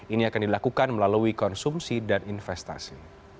ini akan dilakukan melalui konsumsi dan investasi